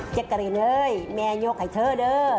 เจกรินแม่ยกให้เธอ